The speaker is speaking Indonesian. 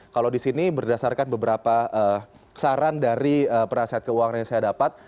kalau di sini berdasarkan beberapa saran dari perasat keuangan yang saya dapat